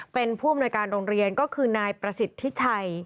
เป็นผู้อำนวยการโรงเรียนก็คือนายประสิทธิชัย